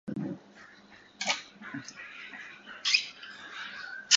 吾輩は教師の家に住んでいるだけ、こんな事に関すると両君よりもむしろ楽天である